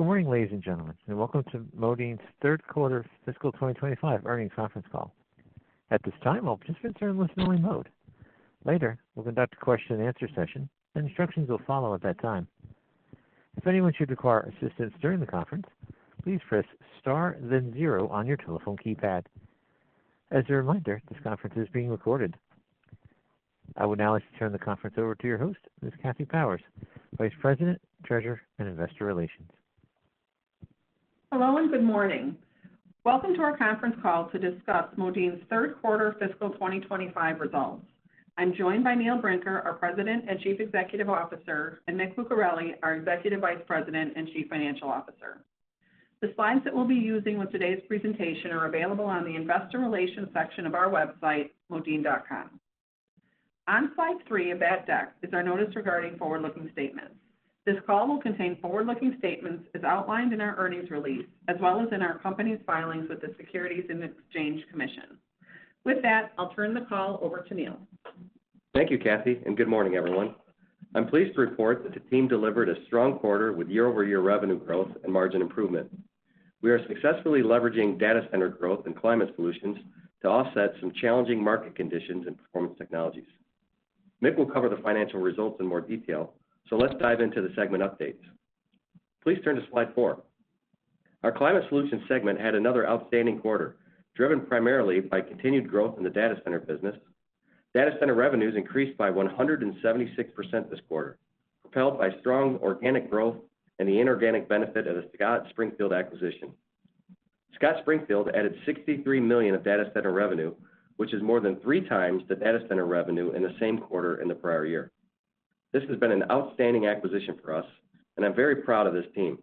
Good morning, ladies and gentlemen, and welcome to Modine's third quarter fiscal 2025 earnings conference call. At this time, all participants are in listen-only mode. Later, we'll conduct a question-and-answer session, and instructions will follow at that time. If anyone should require assistance during the conference, please press star then zero on your telephone keypad. As a reminder, this conference is being recorded. I would now like to turn the conference over to your host, Ms. Kathy Powers, Vice President, Treasurer and Investor Relations. Hello and good morning. Welcome to our conference call to discuss Modine's third quarter fiscal 2025 results. I'm joined by Neil Brinker, our President and Chief Executive Officer, and Mick Lucareli, our Executive Vice President and Chief Financial Officer. The slides that we'll be using with today's presentation are available on the Investor Relations section of our website, modine.com. On slide three of that deck is our notice regarding forward-looking statements. This call will contain forward-looking statements as outlined in our earnings release, as well as in our company's filings with the Securities and Exchange Commission. With that, I'll turn the call over to Neil. Thank you, Kathy, and good morning, everyone. I'm pleased to report that the team delivered a strong quarter with year-over-year revenue growth and margin improvement. We are successfully leveraging data center growth and Climate Solutions to offset some challenging market conditions and Performance Technologies. Mick will cover the financial results in more detail, so let's dive into the segment updates. Please turn to slide four. Our Climate Solutions segment had another outstanding quarter, driven primarily by continued growth in the data center business. Data center revenues increased by 176% this quarter, propelled by strong organic growth and the inorganic benefit of the Scott Springfield acquisition. Scott Springfield added $63 million of data center revenue, which is more than three times the data center revenue in the same quarter in the prior year. This has been an outstanding acquisition for us, and I'm very proud of this team.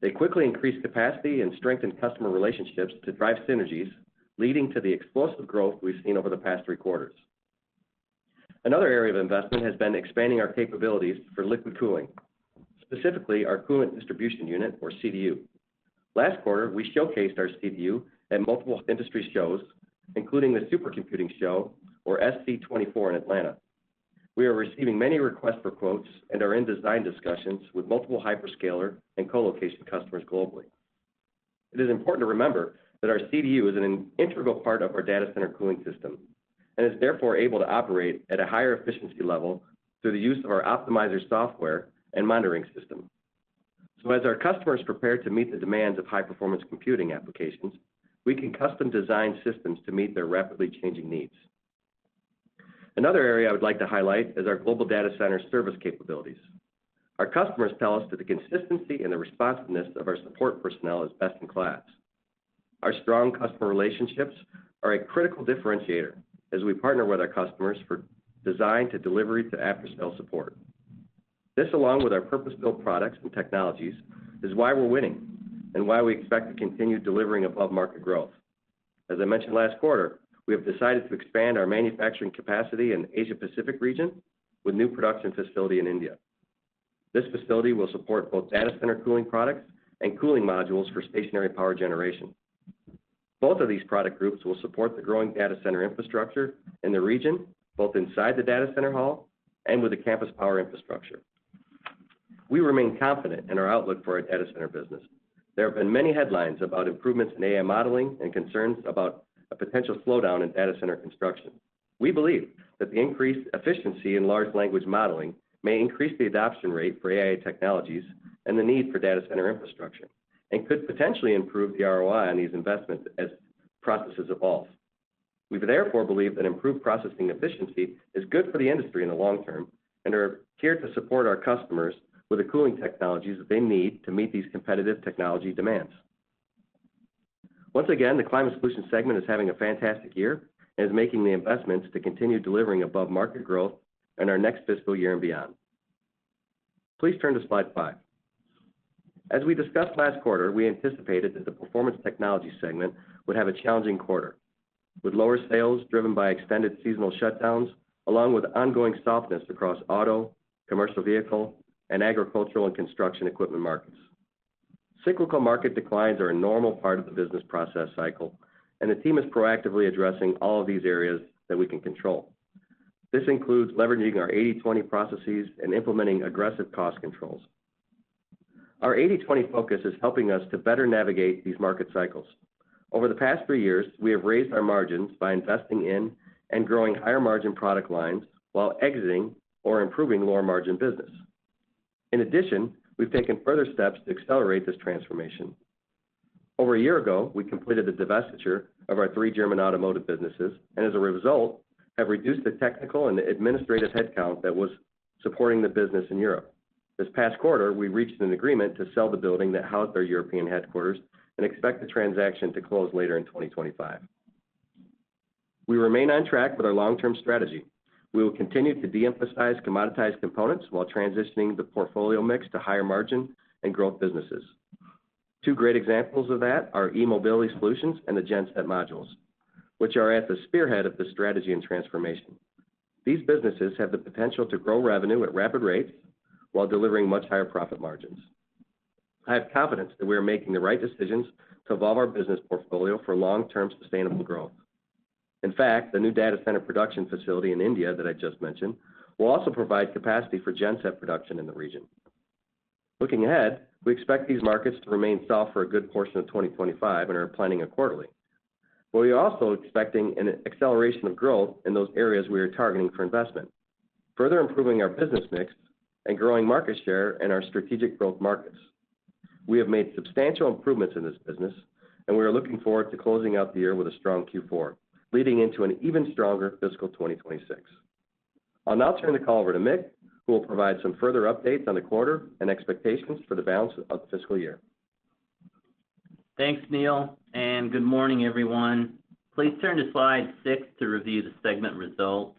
They quickly increased capacity and strengthened customer relationships to drive synergies, leading to the explosive growth we've seen over the past three quarters. Another area of investment has been expanding our capabilities for liquid cooling, specifically our Coolant Distribution Unit, or CDU. Last quarter, we showcased our CDU at multiple industry shows, including the Supercomputing Show, or SC24, in Atlanta. We are receiving many requests for quotes and are in design discussions with multiple hyperscaler and colocation customers globally. It is important to remember that our CDU is an integral part of our data center cooling system and is therefore able to operate at a higher efficiency level through the use of our Optimizer software and monitoring system. So, as our customers prepare to meet the demands of high-performance computing applications, we can custom-design systems to meet their rapidly changing needs. Another area I would like to highlight is our global data center service capabilities. Our customers tell us that the consistency and the responsiveness of our support personnel is best in class. Our strong customer relationships are a critical differentiator as we partner with our customers for design to delivery to after-sale support. This, along with our purpose-built products and technologies, is why we're winning and why we expect to continue delivering above-market growth. As I mentioned last quarter, we have decided to expand our manufacturing capacity in the Asia-Pacific region with a new production facility in India. This facility will support both data center cooling products and cooling modules for stationary power generation. Both of these product groups will support the growing data center infrastructure in the region, both inside the data center hall and with the campus power infrastructure. We remain confident in our outlook for our data center business. There have been many headlines about improvements in AI modeling and concerns about a potential slowdown in data center construction. We believe that the increased efficiency in large language modeling may increase the adoption rate for AI technologies and the need for data center infrastructure and could potentially improve the ROI on these investments as processes evolve. We therefore believe that improved processing efficiency is good for the industry in the long term and are here to support our customers with the cooling technologies that they need to meet these competitive technology demands. Once again, the Climate Solutions segment is having a fantastic year and is making the investments to continue delivering above-market growth in our next fiscal year and beyond. Please turn to slide five. As we discussed last quarter, we anticipated that the performance technology segment would have a challenging quarter, with lower sales driven by extended seasonal shutdowns, along with ongoing softness across auto, commercial vehicle, and agricultural and construction equipment markets. Cyclical market declines are a normal part of the business process cycle, and the team is proactively addressing all of these areas that we can control. This includes leveraging our 80/20 processes and implementing aggressive cost controls. Our 80/20 focus is helping us to better navigate these market cycles. Over the past three years, we have raised our margins by investing in and growing higher-margin product lines while exiting or improving lower-margin business. In addition, we've taken further steps to accelerate this transformation. Over a year ago, we completed the divestiture of our three German automotive businesses and, as a result, have reduced the technical and administrative headcount that was supporting the business in Europe. This past quarter, we reached an agreement to sell the building that housed our European headquarters and expect the transaction to close later in 2025. We remain on track with our long-term strategy. We will continue to de-emphasize commoditized components while transitioning the portfolio mix to higher-margin and growth businesses. Two great examples of that are E-mobility solutions and the GenSet modules, which are at the spearhead of this strategy and transformation. These businesses have the potential to grow revenue at rapid rates while delivering much higher profit margins. I have confidence that we are making the right decisions to evolve our business portfolio for long-term sustainable growth. In fact, the new data center production facility in India that I just mentioned will also provide capacity for GenStep production in the region. Looking ahead, we expect these markets to remain soft for a good portion of 2025 and are planning accordingly. We are also expecting an acceleration of growth in those areas we are targeting for investment, further improving our business mix and growing market share in our strategic growth markets. We have made substantial improvements in this business, and we are looking forward to closing out the year with a strong Q4, leading into an even stronger fiscal 2026. I'll now turn the call over to Mick, who will provide some further updates on the quarter and expectations for the balance of the fiscal year. Thanks, Neil, and good morning, everyone. Please turn to slide six to review the segment results.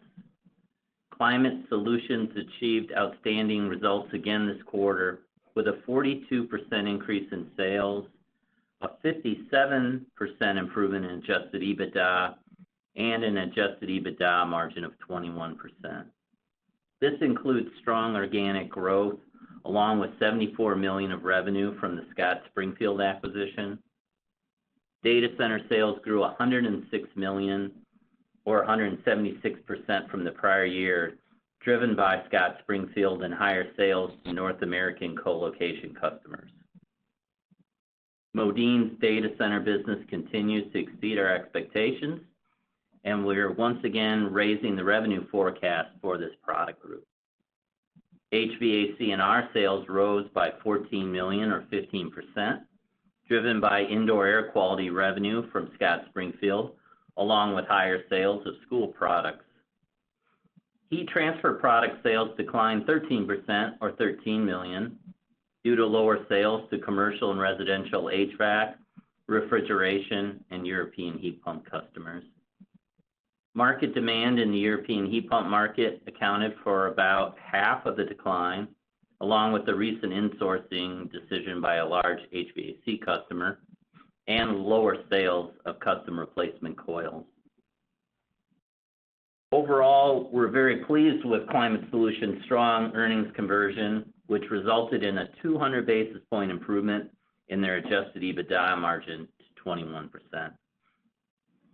Climate Solutions achieved outstanding results again this quarter, with a 42% increase in sales, a 57% improvement in Adjusted EBITDA, and an Adjusted EBITDA margin of 21%. This includes strong organic growth, along with $74 million of revenue from the Scott Springfield acquisition. Data center sales grew $106 million, or 176% from the prior year, driven by Scott Springfield and higher sales to North American colocation customers. Modine's data center business continues to exceed our expectations, and we are once again raising the revenue forecast for this product group. HVAC&R sales rose by $14 million, or 15%, driven by indoor air quality revenue from Scott Springfield, along with higher sales of school products. Heat Transfer Product sales declined 13%, or $13 million, due to lower sales to commercial and residential HVAC, refrigeration, and European heat pump customers. Market demand in the European heat pump market accounted for about half of the decline, along with the recent insourcing decision by a large HVAC customer and lower sales of custom replacement coils. Overall, we're very pleased with Climate Solutions' strong earnings conversion, which resulted in a 200 basis points improvement in their Adjusted EBITDA margin to 21%.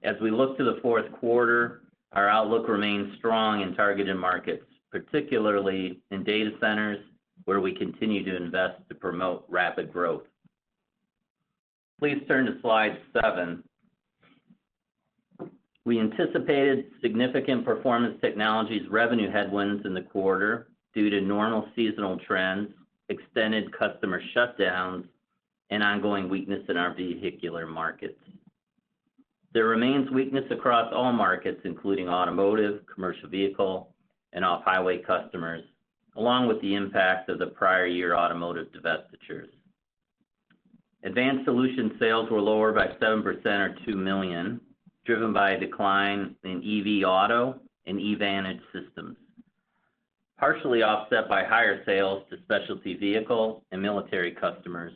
As we look to the fourth quarter, our outlook remains strong in targeted markets, particularly in data centers, where we continue to invest to promote rapid growth. Please turn to slide seven. We anticipated significant Performance Technologies revenue headwinds in the quarter due to normal seasonal trends, extended customer shutdowns, and ongoing weakness in our vehicular markets. There remains weakness across all markets, including automotive, commercial vehicle, and off-highway customers, along with the impact of the prior year automotive divestitures. Advanced Solutions sales were lower by 7%, or $2 million, driven by a decline in EV auto and EVantage systems, partially offset by higher sales to specialty vehicle and military customers.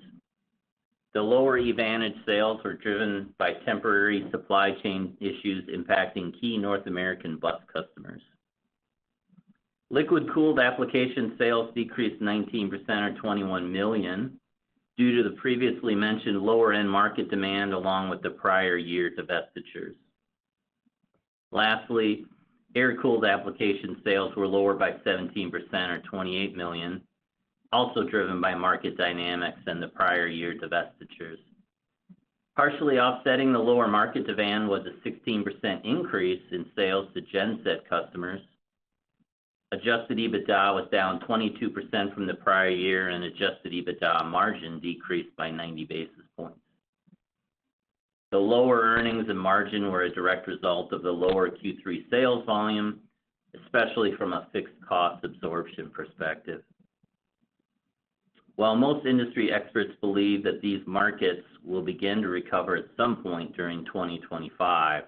The lower EVantage sales were driven by temporary supply chain issues impacting key North American bus customers. Liquid Cooled Applications sales decreased 19%, or $21 million, due to the previously mentioned lower-end market demand, along with the prior year divestitures. Lastly, Air Cooled Application sales were lower by 17%, or $28 million, also driven by market dynamics and the prior year divestitures. Partially offsetting the lower market demand was a 16% increase in sales to GenStep customers. Adjusted EBITDA was down 22% from the prior year, and adjusted EBITDA margin decreased by 90 basis points. The lower earnings and margin were a direct result of the lower Q3 sales volume, especially from a fixed cost absorption perspective. While most industry experts believe that these markets will begin to recover at some point during 2025,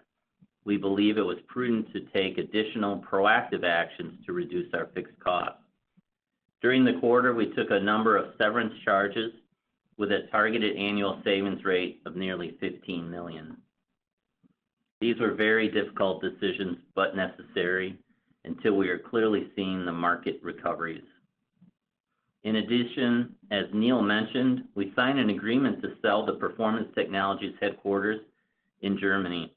we believe it was prudent to take additional proactive actions to reduce our fixed costs. During the quarter, we took a number of severance charges with a targeted annual savings rate of nearly $15 million. These were very difficult decisions, but necessary until we are clearly seeing the market recoveries. In addition, as Neil mentioned, we signed an agreement to sell the Performance Technologies headquarters in Germany.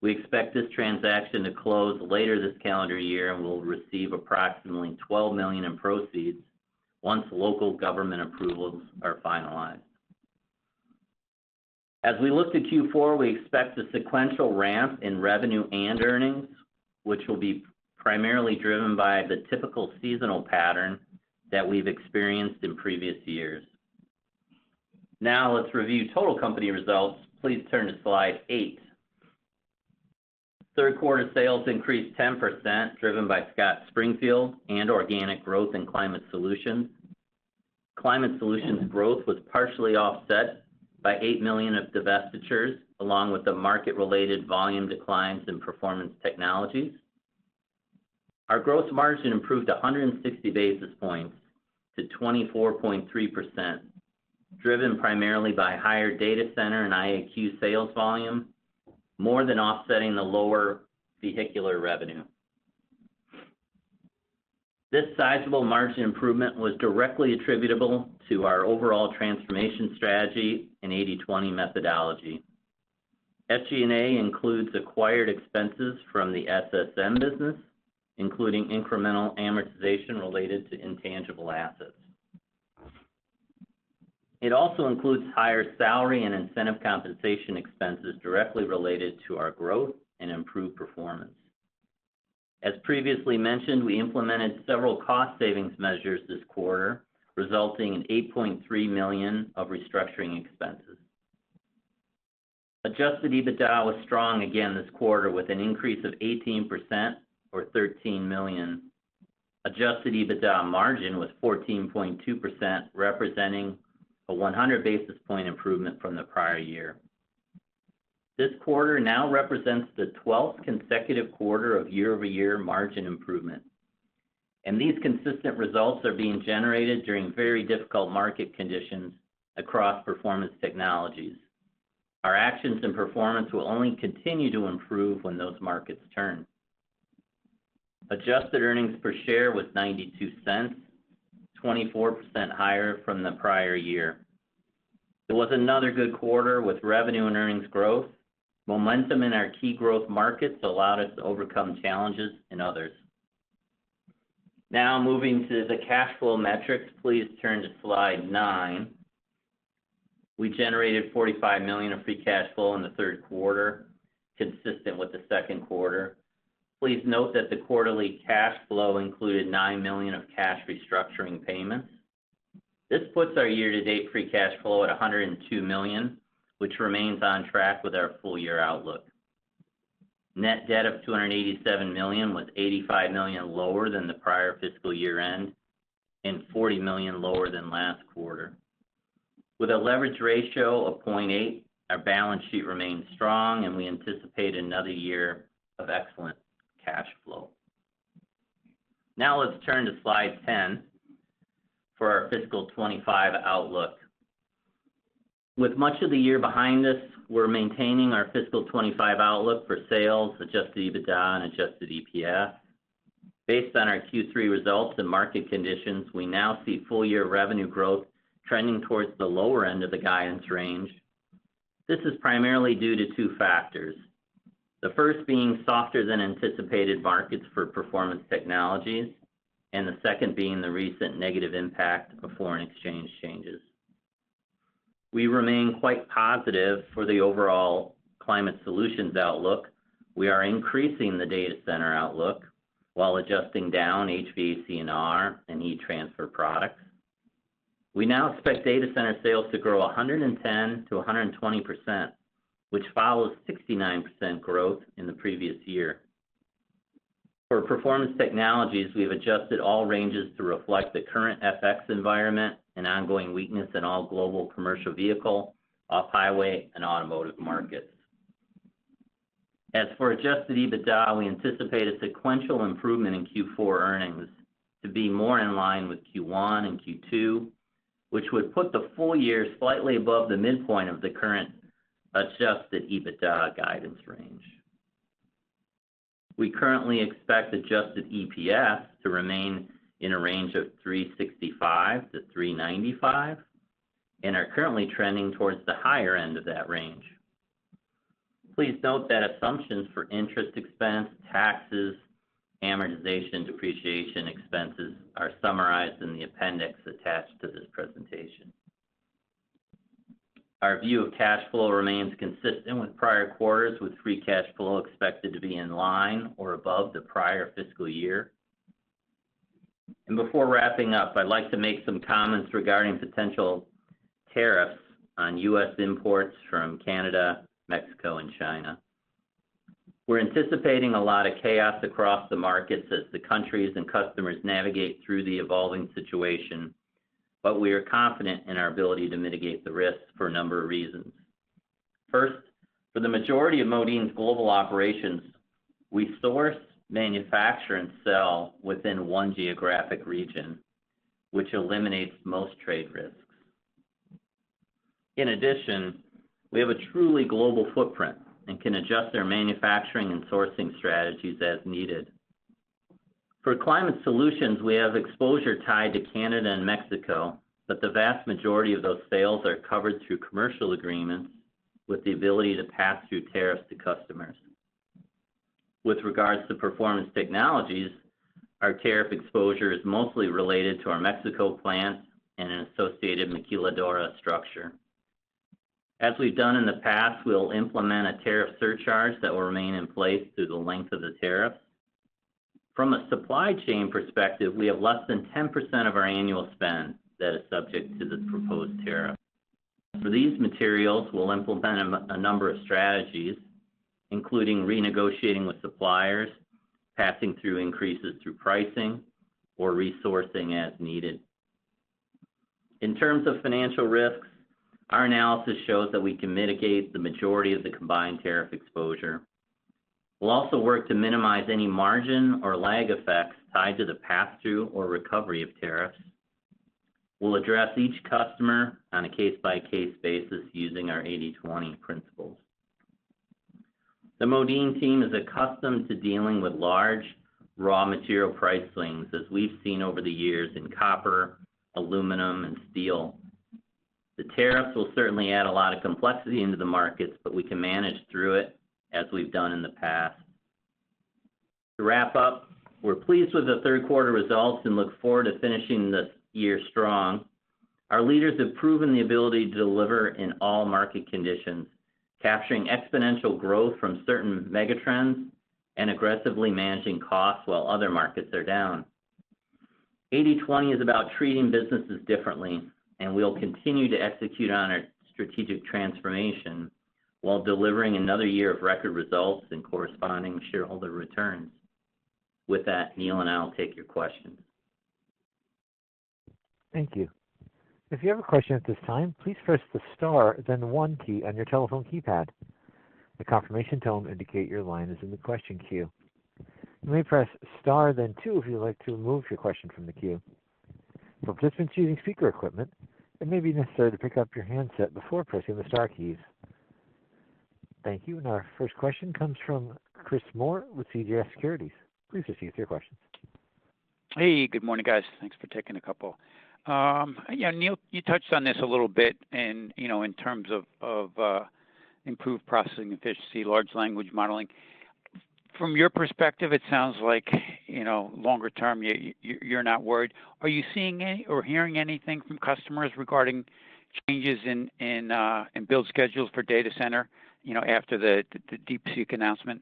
We expect this transaction to close later this calendar year and will receive approximately $12 million in proceeds once local government approvals are finalized. As we look to Q4, we expect a sequential ramp in revenue and earnings, which will be primarily driven by the typical seasonal pattern that we've experienced in previous years. Now, let's review total company results. Please turn to slide eight. Third quarter sales increased 10%, driven by Scott Springfield and organic growth in Climate Solutions. Climate solutions growth was partially offset by $8 million of divestitures, along with the market-related volume declines in Performance Technologies. Our gross margin improved 160 basis points to 24.3%, driven primarily by higher data center and IAQ sales volume, more than offsetting the lower vehicular revenue. This sizable margin improvement was directly attributable to our overall transformation strategy and 80/20 methodology. SG&A includes acquired expenses from the SSM business, including incremental amortization related to intangible assets. It also includes higher salary and incentive compensation expenses directly related to our growth and improved performance. As previously mentioned, we implemented several cost savings measures this quarter, resulting in $8.3 million of restructuring expenses. Adjusted EBITDA was strong again this quarter, with an increase of 18%, or $13 million. Adjusted EBITDA margin was 14.2%, representing a 100 basis point improvement from the prior year. This quarter now represents the 12th consecutive quarter of year-over-year margin improvement, and these consistent results are being generated during very difficult market conditions across Performance Technologies. Our actions and performance will only continue to improve when those markets turn. Adjusted earnings per share was $0.92, 24% higher from the prior year. It was another good quarter with revenue and earnings growth. Momentum in our key growth markets allowed us to overcome challenges in others. Now, moving to the cash flow metrics, please turn to slide nine. We generated $45 million of free cash flow in the third quarter, consistent with the second quarter. Please note that the quarterly cash flow included $9 million of cash restructuring payments. This puts our year-to-date free cash flow at $102 million, which remains on track with our full-year outlook. Net debt of $287 million was $85 million lower than the prior fiscal year end and $40 million lower than last quarter. With a leverage ratio of 0.8, our balance sheet remains strong, and we anticipate another year of excellent cash flow. Now, let's turn to slide 10 for our fiscal 25 outlook. With much of the year behind us, we're maintaining our fiscal 25 outlook for sales, Adjusted EBITDA, and Adjusted EPS. Based on our Q3 results and market conditions, we now see full-year revenue growth trending towards the lower end of the guidance range. This is primarily due to two factors, the first being softer-than-anticipated markets for Performance Technologies and the second being the recent negative impact of foreign exchange changes. We remain quite positive for the overall Climate Solutions outlook. We are increasing the data center outlook while adjusting down HVAC, Refrigeration and Heat Transfer Products. We now expect data center sales to grow 110%-120%, which follows 69% growth in the previous year. For Performance Technologies, we've adjusted all ranges to reflect the current FX environment and ongoing weakness in all global commercial vehicle, off-highway, and automotive markets. As for Adjusted EBITDA, we anticipate a sequential improvement in Q4 earnings to be more in line with Q1 and Q2, which would put the full year slightly above the midpoint of the current Adjusted EBITDA guidance range. We currently expect adjusted EPS to remain in a range of 365-395 and are currently trending towards the higher end of that range. Please note that assumptions for interest expense, taxes, amortization, and depreciation expenses are summarized in the appendix attached to this presentation. Our view of cash flow remains consistent with prior quarters, with free cash flow expected to be in line or above the prior fiscal year. And before wrapping up, I'd like to make some comments regarding potential tariffs on U.S. imports from Canada, Mexico, and China. We're anticipating a lot of chaos across the markets as the countries and customers navigate through the evolving situation, but we are confident in our ability to mitigate the risks for a number of reasons. First, for the majority of Modine's global operations, we source, manufacture, and sell within one geographic region, which eliminates most trade risks. In addition, we have a truly global footprint and can adjust our manufacturing and sourcing strategies as needed. For Climate Solutions, we have exposure tied to Canada and Mexico, but the vast majority of those sales are covered through commercial agreements with the ability to pass through tariffs to customers. With regards to Performance Technologies, our tariff exposure is mostly related to our Mexico plant and an associated Maquiladora structure. As we've done in the past, we'll implement a tariff surcharge that will remain in place through the length of the tariffs. From a supply chain perspective, we have less than 10% of our annual spend that is subject to the proposed tariff. For these materials, we'll implement a number of strategies, including renegotiating with suppliers, passing through increases through pricing, or resourcing as needed. In terms of financial risks, our analysis shows that we can mitigate the majority of the combined tariff exposure. We'll also work to minimize any margin or lag effects tied to the pass-through or recovery of tariffs. We'll address each customer on a case-by-case basis using our 80/20 principles. The Modine team is accustomed to dealing with large raw material price swings, as we've seen over the years in copper, aluminum, and steel. The tariffs will certainly add a lot of complexity into the markets, but we can manage through it, as we've done in the past. To wrap up, we're pleased with the third quarter results and look forward to finishing this year strong. Our leaders have proven the ability to deliver in all market conditions, capturing exponential growth from certain megatrends and aggressively managing costs while other markets are down. 80/20 is about treating businesses differently, and we'll continue to execute on our strategic transformation while delivering another year of record results and corresponding shareholder returns. With that, Neil and I'll take your questions. Thank you. If you have a question at this time, please press the star, then one, key on your telephone keypad. The confirmation tone will indicate your line is in the question queue. You may press star, then two, if you'd like to remove your question from the queue. For participants using speaker equipment, it may be necessary to pick up your handset before pressing the star keys. Thank you. And our first question comes from Chris Moore with CJS Securities. Please proceed with your questions. Hey, good morning, guys. Thanks for taking a couple. Neil, you touched on this a little bit in terms of improved processing efficiency, large language modeling. From your perspective, it sounds like longer term you're not worried. Are you seeing or hearing anything from customers regarding changes in build schedules for data centers after the DeepSeek announcement?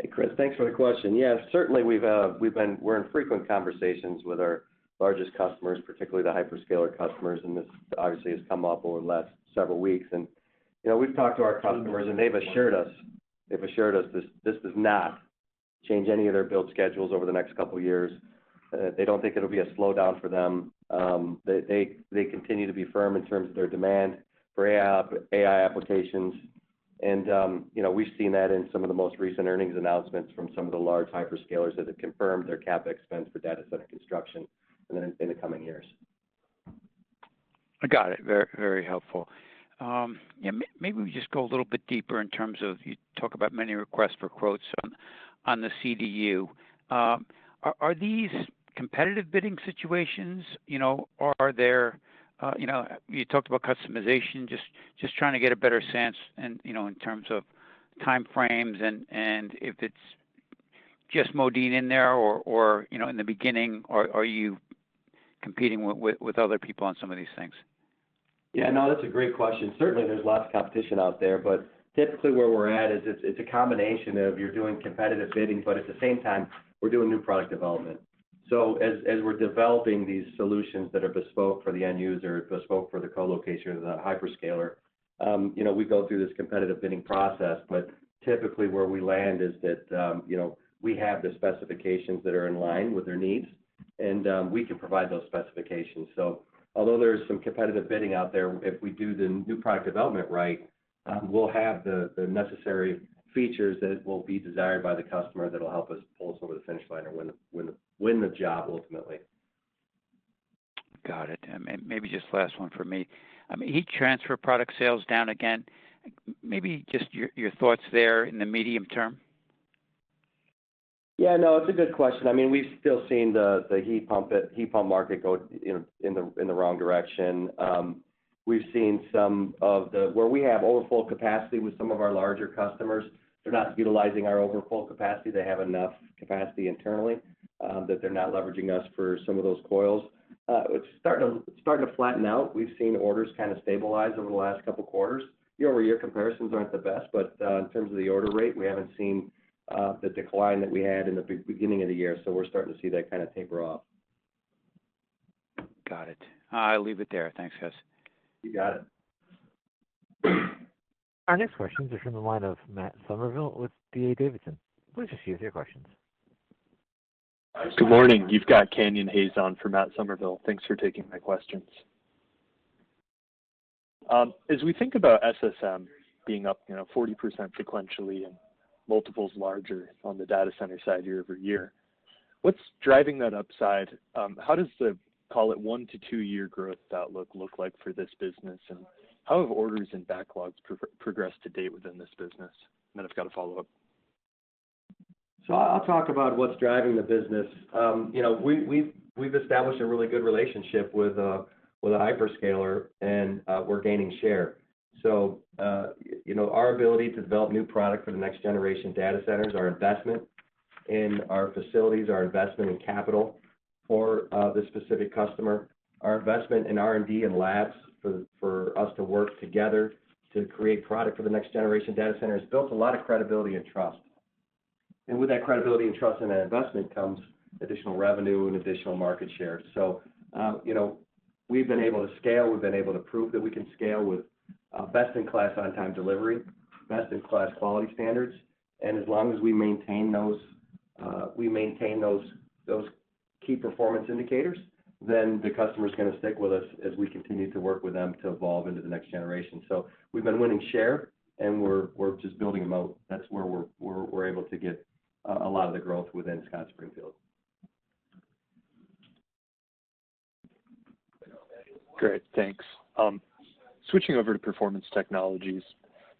Hey, Chris, thanks for the question. Yes, certainly we've been having frequent conversations with our largest customers, particularly the hyperscaler customers, and this obviously has come up over the last several weeks. And we've talked to our customers, and they've assured us, they've assured us this does not change any of their build schedules over the next couple of years. They don't think it'll be a slowdown for them. They continue to be firm in terms of their demand for AI applications. And we've seen that in some of the most recent earnings announcements from some of the large hyperscalers that have confirmed their CapEx for data center construction in the coming years. I got it. Very helpful. Maybe we just go a little bit deeper in terms of you talk about many requests for quotes on the CDU. Are these competitive bidding situations? Are there you talked about customization, just trying to get a better sense in terms of time frames and if it's just Modine in there or in the beginning, or are you competing with other people on some of these things? Yeah, no, that's a great question. Certainly, there's lots of competition out there, but typically where we're at is it's a combination of you're doing competitive bidding, but at the same time, we're doing new product development. So as we're developing these solutions that are bespoke for the end user, bespoke for the colocation, the hyperscaler, we go through this competitive bidding process. But typically where we land is that we have the specifications that are in line with their needs, and we can provide those specifications. So although there is some competitive bidding out there, if we do the new product development right, we'll have the necessary features that will be desired by the customer that will help us pull us over the finish line or win the job ultimately. Got it. And maybe just last one for me. Heat Transfer Product sales down again. Maybe just your thoughts there in the medium term. Yeah, no, it's a good question. I mean, we've still seen the heat pump market go in the wrong direction. We've seen some of the where we have overflow capacity with some of our larger customers. They're not utilizing our overflow capacity. They have enough capacity internally that they're not leveraging us for some of those coils. It's starting to flatten out. We've seen orders kind of stabilize over the last couple of quarters. Year-over-year comparisons aren't the best, but in terms of the order rate, we haven't seen the decline that we had in the beginning of the year. So we're starting to see that kind of taper off. Got it. I'll leave it there. Thanks, guys. You got it. Our next questions are from the line of Matt Somerville with D.A. Davidson. Please proceed with your questions. Good morning. You've got Canyon Hayes for Matt Somerville. Thanks for taking my questions. As we think about SSM being up 40% sequentially and multiples larger on the data center side year-over-year, what's driving that upside? How does the, call it, one to two-year growth outlook look like for this business? And how have orders and backlogs progressed to date within this business? And then I've got a follow-up. So I'll talk about what's driving the business. We've established a really good relationship with a hyperscaler, and we're gaining share. So our ability to develop new product for the next generation data centers, our investment in our facilities, our investment in capital for the specific customer, our investment in R&D and labs for us to work together to create product for the next generation data center has built a lot of credibility and trust. And with that credibility and trust and that investment comes additional revenue and additional market share. So we've been able to scale. We've been able to prove that we can scale with best-in-class on-time delivery, best-in-class quality standards. As long as we maintain those key performance indicators, then the customer is going to stick with us as we continue to work with them to evolve into the next generation. So we've been winning share, and we're just building them out. That's where we're able to get a lot of the growth within Scott Springfield. Great. Thanks. Switching over to Performance Technologies.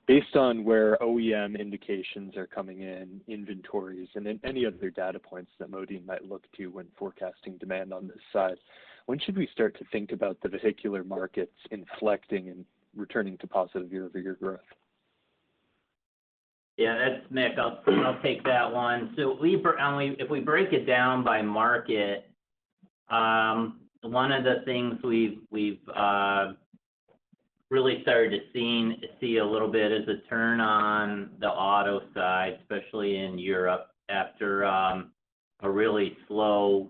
Based on where OEM indications are coming in, inventories, and then any other data points that Modine might look to when forecasting demand on this side, when should we start to think about the particular markets inflecting and returning to positive year-over-year growth? Yeah, that's Neil. I'll take that one. So if we break it down by market, one of the things we've really started to see a little bit is a turn on the auto side, especially in Europe after a really slow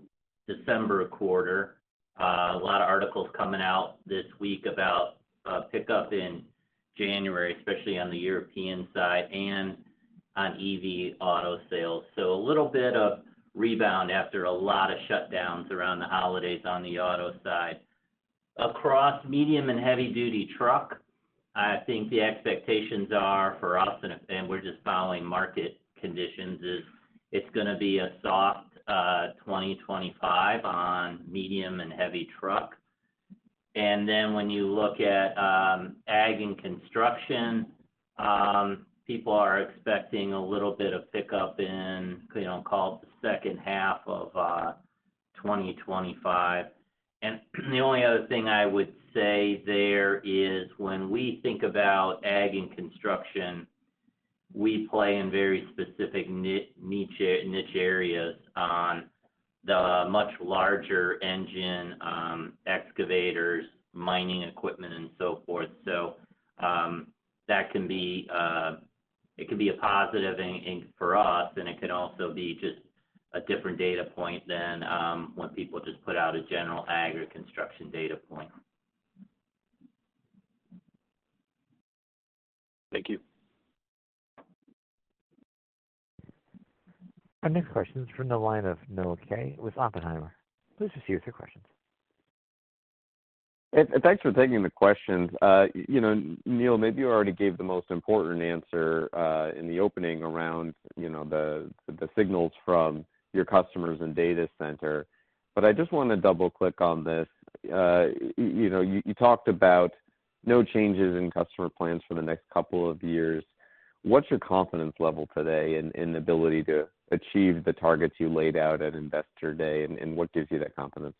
December quarter. A lot of articles coming out this week about a pickup in January, especially on the European side and on EV auto sales. So a little bit of rebound after a lot of shutdowns around the holidays on the auto side. Across medium and heavy-duty truck, I think the expectations are for us, and we're just following market conditions, is it's going to be a soft 2025 on medium and heavy truck. And then when you look at ag and construction, people are expecting a little bit of pickup in, call it, the second half of 2025. And the only other thing I would say there is when we think about ag and construction, we play in very specific niche areas on the much larger engine excavators, mining equipment, and so forth. So that can be a positive for us, and it can also be just a different data point than when people just put out a general ag or construction data point. Thank you. Our next question is from the line of Noah Kaye with Oppenheimer. Please proceed with your questions. Thanks for taking the questions. Neil, maybe you already gave the most important answer in the opening around the signals from your customers and data center. But I just want to double-click on this. You talked about no changes in customer plans for the next couple of years. What's your confidence level today in the ability to achieve the targets you laid out at Investor Day? And what gives you that confidence?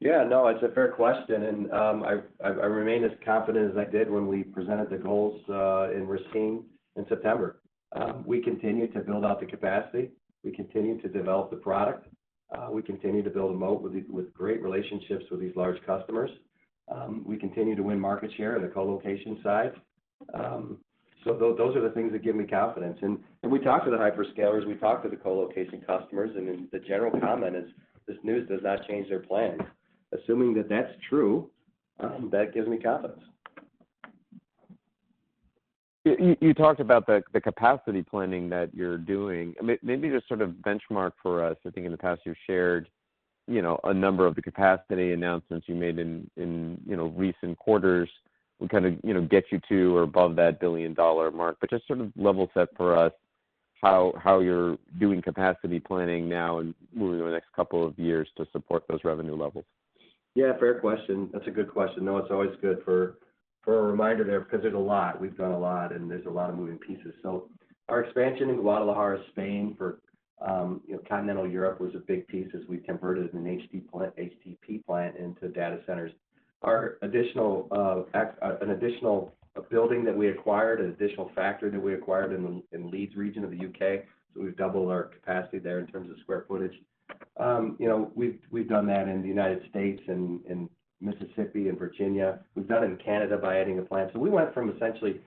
Yeah, no, it's a fair question. And I remain as confident as I did when we presented the goals at Investor Day in September. We continue to build out the capacity. We continue to develop the product. We continue to build a moat with great relationships with these large customers. We continue to win market share on the colocation side. So those are the things that give me confidence. And we talked to the hyperscalers. We talked to the colocation customers. And the general comment is, "This news does not change their plans." Assuming that that's true, that gives me confidence. You talked about the capacity planning that you're doing. Maybe just sort of benchmark for us. I think in the past, you've shared a number of the capacity announcements you made in recent quarters. We kind of get you to or above that $1 billion mark. But just sort of level set for us how you're doing capacity planning now and moving over the next couple of years to support those revenue levels. Yeah, fair question. That's a good question. No, it's always good for a reminder there because there's a lot. We've done a lot, and there's a lot of moving pieces. So our expansion in Guadalajara, Spain, for continental Europe was a big piece as we converted an HDP plant into data centers. An additional building that we acquired, an additional factory that we acquired in the Leeds region of the UK, so we've doubled our capacity there in terms of square footage. We've done that in the United States, Mississippi, and Virginia. We've done it in Canada by adding a plant. So we went from essentially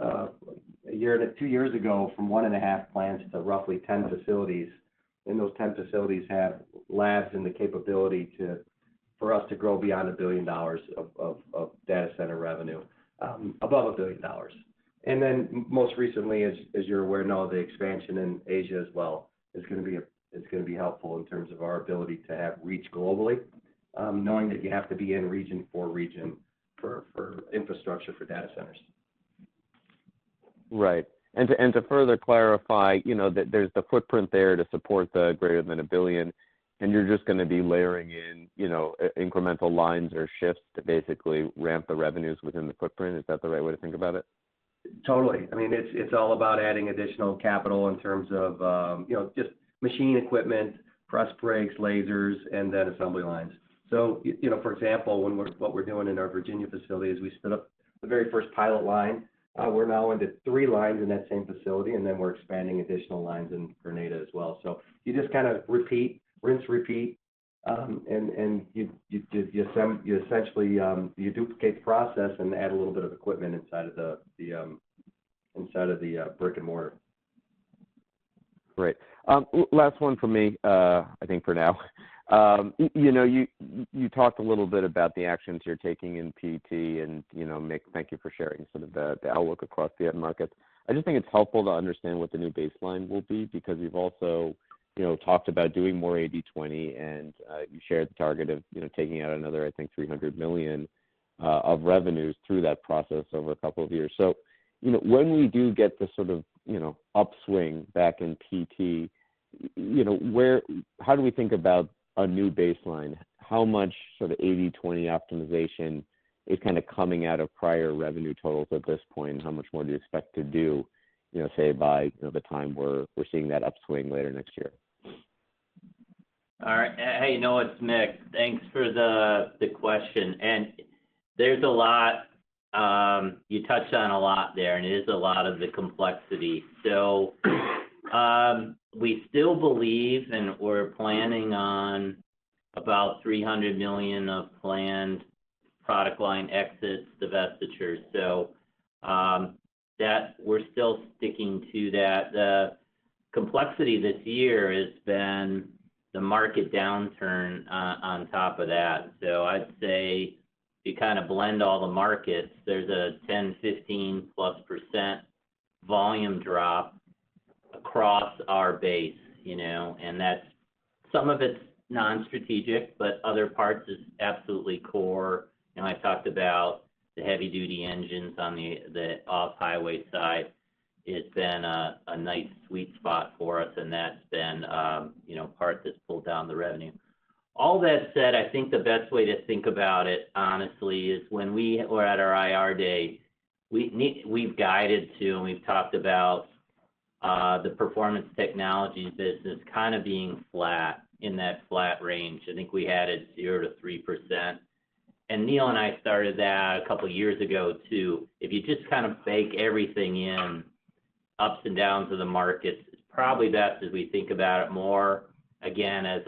two years ago from one and a half plants to roughly 10 facilities. And those 10 facilities have labs and the capability for us to grow beyond $1 billion of data center revenue, above $1 billion. And then most recently, as you're aware, no, the expansion in Asia as well is going to be helpful in terms of our ability to have reach globally, knowing that you have to be in region for region for infrastructure for data centers. Right. To further clarify, there's the footprint there to support the greater than a billion. You're just going to be layering in incremental lines or shifts to basically ramp the revenues within the footprint. Is that the right way to think about it? Totally. I mean, it's all about adding additional capital in terms of just machine equipment, press brakes, lasers, and then assembly lines. So for example, what we're doing in our Virginia facility is we split up the very first pilot line. We're now into three lines in that same facility, and then we're expanding additional lines in Grenada as well. So you just kind of repeat, rinse repeat, and you essentially duplicate the process and add a little bit of equipment inside of the brick and mortar. Great. Last one for me, I think for now. You talked a little bit about the actions you're taking in PT, and Neil, thank you for sharing sort of the outlook across the end markets. I just think it's helpful to understand what the new baseline will be because we've also talked about doing more 80/20, and you shared the target of taking out another, I think, $300 million of revenues through that process over a couple of years. So when we do get the sort of upswing back in PT, how do we think about a new baseline? How much sort of 80/20 optimization is kind of coming out of prior revenue totals at this point? How much more do you expect to do, say, by the time we're seeing that upswing later next year? All right. Hey, Noah, it's Mick. Thanks for the question. And there's a lot you touched on a lot there, and it is a lot of the complexity. So we still believe and we're planning on about $300 million of planned product line exits, divestiture. So we're still sticking to that. The complexity this year has been the market downturn on top of that. So I'd say if you kind of blend all the markets, there's a 10%-15%+ volume drop across our base. And some of it's non-strategic, but other parts is absolutely core. And I talked about the heavy-duty engines on the off-highway side. It's been a nice sweet spot for us, and that's been part that's pulled down the revenue. All that said, I think the best way to think about it, honestly, is when we were at our IR day. We've guided to, and we've talked about the performance technology business kind of being flat in that flat range. I think we had it 0%-3%. Neil and I started that a couple of years ago too. If you just kind of bake everything in, ups and downs of the markets, it's probably best if we think about it more, again, as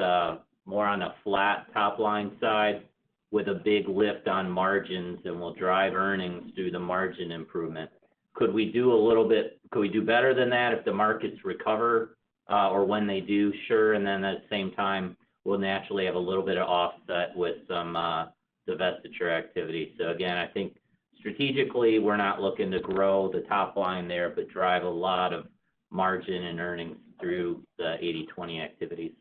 more on the flat top line side with a big lift on margins, and we'll drive earnings through the margin improvement. Could we do a little bit? Could we do better than that if the markets recover? Or when they do, sure. At the same time, we'll naturally have a little bit of offset with some divestiture activity. So again, I think strategically, we're not looking to grow the top line there, but drive a lot of margin and earnings through the 80/20 activities.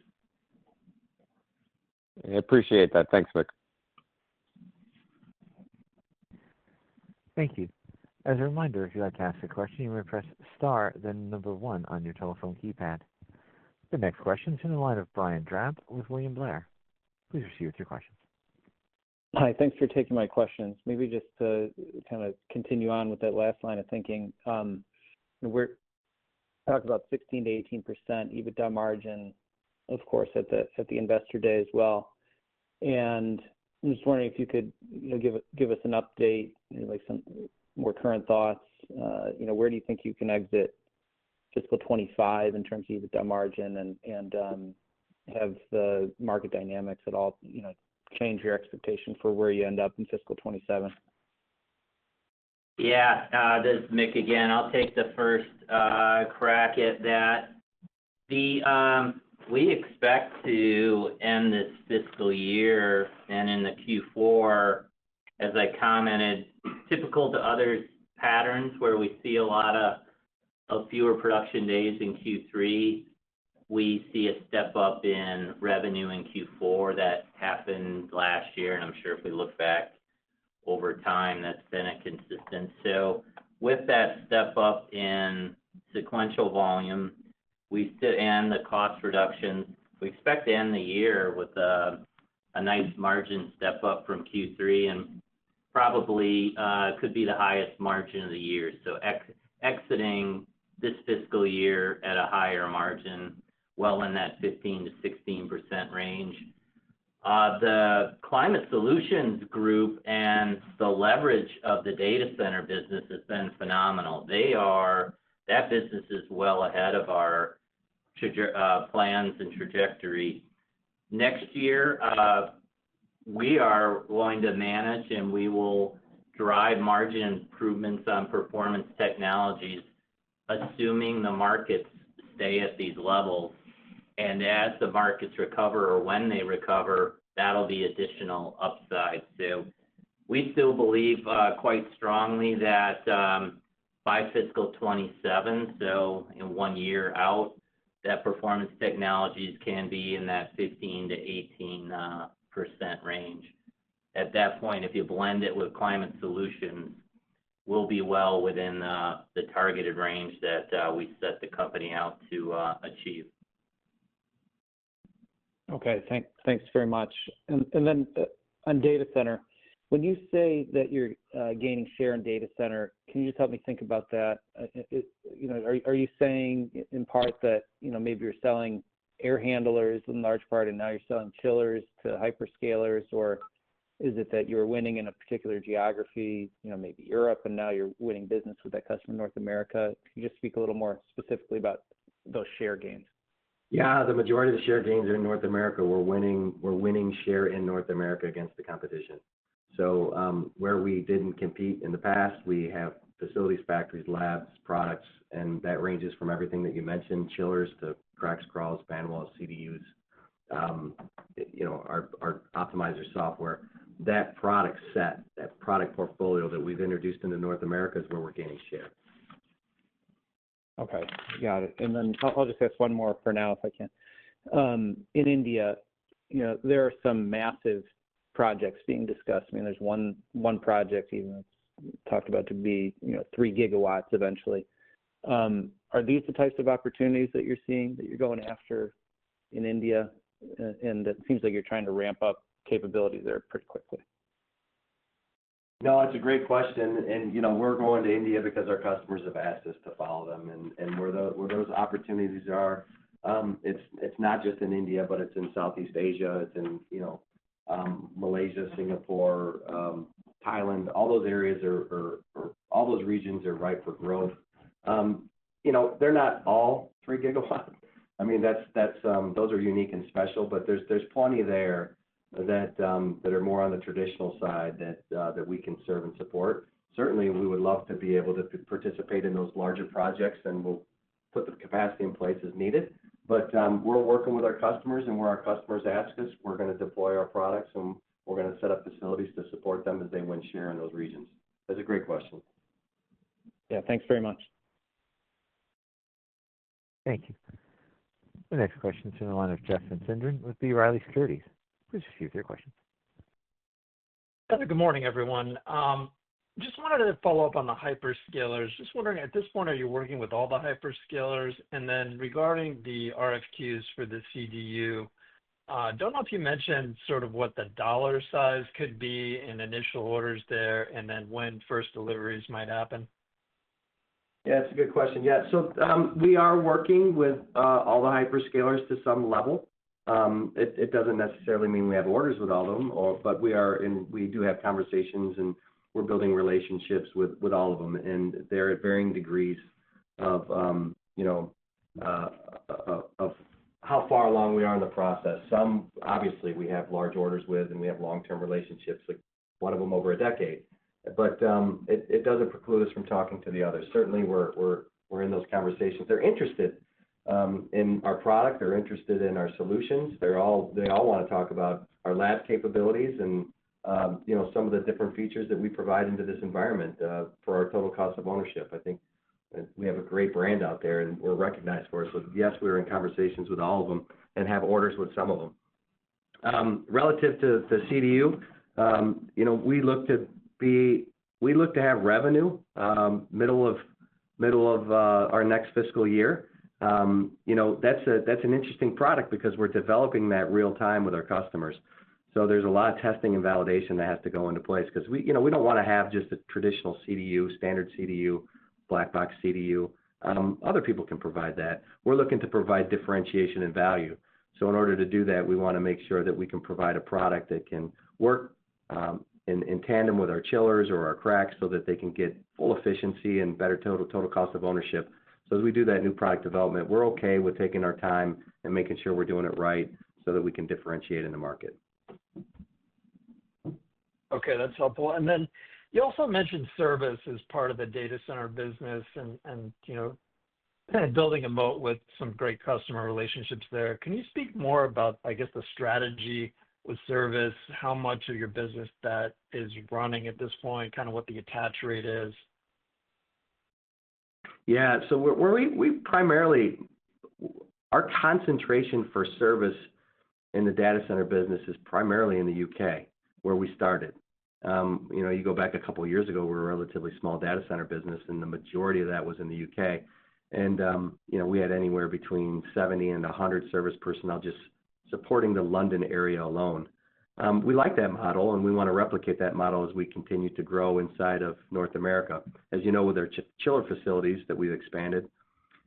I appreciate that. Thanks, Mick. Thank you. As a reminder, if you'd like to ask a question, you may press star then number one on your telephone keypad. The next question is from the line of Brian Drab with William Blair. Please proceed with your questions. Hi. Thanks for taking my questions. Maybe just to kind of continue on with that last line of thinking. We're talking about 16%-18% EBITDA margin, of course, at the investor day as well. And I'm just wondering if you could give us an update, some more current thoughts. Where do you think you can exit fiscal 2025 in terms of EBITDA margin and have the market dynamics at all change your expectation for where you end up in fiscal 2027? Yeah. This is Mick again. I'll take the first crack at that. We expect to end this fiscal year and in the Q4, as I commented, typical to other patterns where we see a lot of fewer production days in Q3, we see a step up in revenue in Q4 that happened last year. And I'm sure if we look back over time, that's been a consistent trend. With that step up in sequential volume, we see the cost reductions. We expect to end the year with a nice margin step up from Q3 and probably could be the highest margin of the year. So exiting this fiscal year at a higher margin, well in that 15%-16% range. The Climate Solutions Group and the leverage of the data center business has been phenomenal. That business is well ahead of our plans and trajectory. Next year, we are going to manage, and we will drive margin improvements on Performance Technologies, assuming the markets stay at these levels. And as the markets recover or when they recover, that'll be additional upside. So we still believe quite strongly that by fiscal 2027, so in one year out, that Performance Technologies can be in that 15%-18% range. At that point, if you blend it with Climate Solutions, we'll be well within the targeted range that we set the company out to achieve. Okay. Thanks very much. And then on data center, when you say that you're gaining share in data center, can you just help me think about that? Are you saying in part that maybe you're selling air handlers in large part, and now you're selling chillers to hyperscalers, or is it that you're winning in a particular geography, maybe Europe, and now you're winning business with that customer in North America? Can you just speak a little more specifically about those share gains? Yeah. The majority of the share gains are in North America. We're winning share in North America against the competition. So where we didn't compete in the past, we have facilities, factories, labs, products, and that ranges from everything that you mentioned, chillers to CRAC, CRAH, fan wall, CDUs, our optimizer software. That product set, that product portfolio that we've introduced into North America is where we're gaining share. Okay. Got it. And then I'll just ask one more for now if I can. In India, there are some massive projects being discussed. I mean, there's one project even that's talked about to be 3 GW eventually. Are these the types of opportunities that you're seeing that you're going after in India? And it seems like you're trying to ramp up capabilities there pretty quickly. No, it's a great question. And we're going to India because our customers have asked us to follow them. And where those opportunities are, it's not just in India, but it's in Southeast Asia. It's in Malaysia, Singapore, Thailand. All those areas are all those regions are ripe for growth. They're not all 3 GW. I mean, those are unique and special, but there's plenty there that are more on the traditional side that we can serve and support. Certainly, we would love to be able to participate in those larger projects, and we'll put the capacity in place as needed. But we're working with our customers, and where our customers ask us, we're going to deploy our products, and we're going to set up facilities to support them as they win share in those regions. That's a great question. Yeah. Thanks very much. Thank you. The next question is from the line of Jeff Van Sinderen with B. Riley Securities. Please proceed with your questions. Good morning, everyone. Just wanted to follow up on the hyperscalers. Just wondering, at this point, are you working with all the hyperscalers? And then regarding the RFQs for the CDU, I don't know if you mentioned sort of what the dollar size could be in initial orders there and then when first deliveries might happen. Yeah. That's a good question. Yeah. We are working with all the hyperscalers to some level. It doesn't necessarily mean we have orders with all of them, but we do have conversations, and we're building relationships with all of them. There are varying degrees of how far along we are in the process. Some, obviously, we have large orders with, and we have long-term relationships with one of them over a decade. It doesn't preclude us from talking to the others. Certainly, we're in those conversations. They're interested in our product. They're interested in our solutions. They all want to talk about our lab capabilities and some of the different features that we provide into this environment for our total cost of ownership. I think we have a great brand out there, and we're recognized for it. Yes, we're in conversations with all of them and have orders with some of them. Relative to the CDU, we look to have revenue middle of our next fiscal year. That's an interesting product because we're developing that real-time with our customers. So there's a lot of testing and validation that has to go into place because we don't want to have just a traditional CDU, standard CDU, black box CDU. Other people can provide that. We're looking to provide differentiation and value. So in order to do that, we want to make sure that we can provide a product that can work in tandem with our chillers or our CRAC so that they can get full efficiency and better total cost of ownership. So as we do that new product development, we're okay with taking our time and making sure we're doing it right so that we can differentiate in the market. Okay. That's helpful. Then you also mentioned service as part of the data center business and building a moat with some great customer relationships there. Can you speak more about, I guess, the strategy with service? How much of your business that is running at this point? Kind of what the attach rate is? Yeah. So our concentration for service in the data center business is primarily in the U.K., where we started. You go back a couple of years ago, we were a relatively small data center business, and the majority of that was in the U.K. And we had anywhere between 70 and 100 service personnel just supporting the London area alone. We like that model, and we want to replicate that model as we continue to grow inside of North America, as you know, with our chiller facilities that we've expanded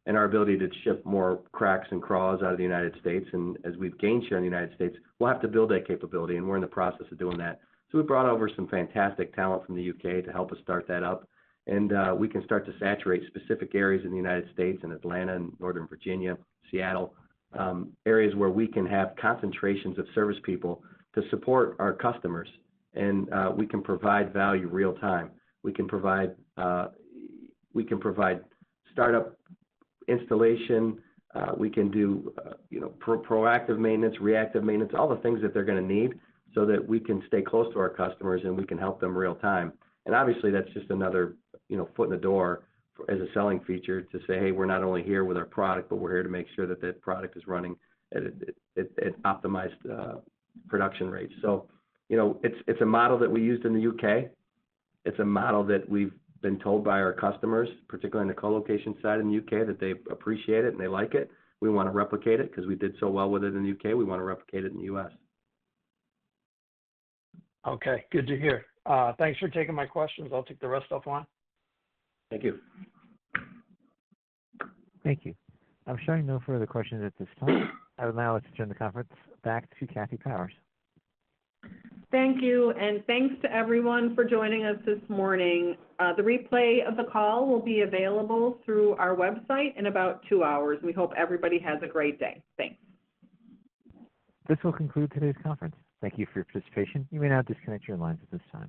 and our ability to ship more CRAC and CRAH out of the United States. And as we've gained share in the United States, we'll have to build that capability, and we're in the process of doing that. So we brought over some fantastic talent from the U.K. to help us start that up. And we can start to saturate specific areas in the United States and Atlanta and Northern Virginia, Seattle, areas where we can have concentrations of service people to support our customers. And we can provide value real-time. We can provide startup installation. We can do proactive maintenance, reactive maintenance, all the things that they're going to need so that we can stay close to our customers and we can help them real-time. And obviously, that's just another foot in the door as a selling feature to say, "Hey, we're not only here with our product, but we're here to make sure that that product is running at optimized production rates." So it's a model that we used in the U.K. It's a model that we've been told by our customers, particularly on the colocation side in the U.K., that they appreciate it and they like it. We want to replicate it because we did so well with it in the U.K. We want to replicate it in the U.S. Okay. Good to hear. Thanks for taking my questions. I'll take the rest offline. Thank you. Thank you. I'm sure no further questions at this time. I would now like to turn the conference back to Kathy Powers. Thank you, and thanks to everyone for joining us this morning. The replay of the call will be available through our website in about two hours. We hope everybody has a great day. Thanks. This will conclude today's conference. Thank you for your participation. You may now disconnect your lines at this time.